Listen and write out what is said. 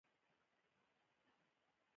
د شیردروازې دیوالونه د کابل ساتونکي وو